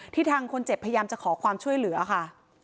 ทางคนเจ็บพยายามจะขอความช่วยเหลือค่ะ